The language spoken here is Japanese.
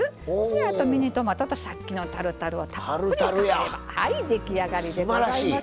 あとミニトマトとさっきのタルタルをたっぷりかければはい出来上がりでございます。